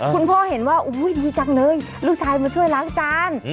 คุณพ่อเห็นว่าดีจังเลยลูกชายมาช่วยล้างจาน